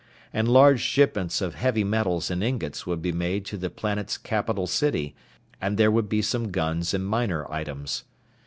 And large shipments of heavy metals in ingots would be made to the planet's capital city and there would be some guns and minor items.